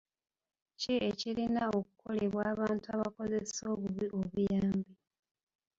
Ki ekirina okukolebwa abantu abakozesa obubi obuyambi?